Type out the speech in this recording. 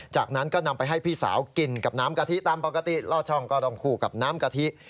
จากนั้นก็นำไปให้พี่สาวกินกับน้ำกะทิตามปกติล่อช่องก็ต้องคู่กับน้ำกะทิ